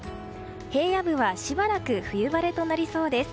平野部は、しばらく冬晴れとなりそうです。